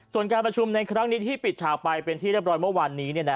ส่วนการประชุมในครั้งนี้ที่ปิดฉากไปเป็นที่เรียบร้อยเมื่อวานนี้